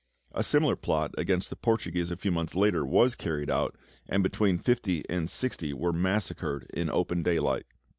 (A similar plot against the Portuguese a few months later was carried out, and between fifty and sixty were massacred in open daylight.)